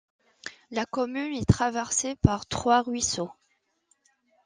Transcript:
La commune est traversée par trois ruisseaux.